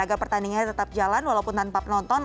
agar pertandingannya tetap jalan walaupun tanpa penonton